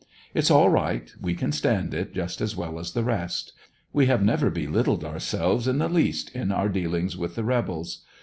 It's all right, we can stand it just as well as the rest. We have never belittled ourselves in the least in our dealings with the rebels.